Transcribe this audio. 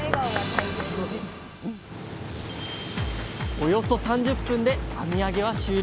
およそ３０分で網あげは終了。